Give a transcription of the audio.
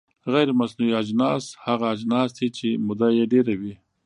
غیر مصرفي اجناس هغه اجناس دي چې موده یې ډیره وي.